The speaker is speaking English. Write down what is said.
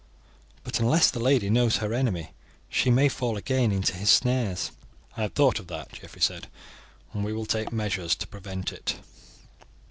"But unless the lady knows her enemy she may fall again into his snares. "I have thought of that," Geoffrey said, "and we will take measures to prevent it."